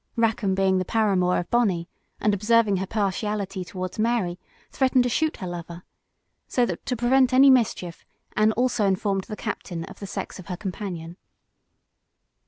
Rackam being the paramour of Bonney, and observing her partiality towards Mary, threatened to shoot her lover; so that to prevent any mischief, Anne also informed the captain of the sex of her companion.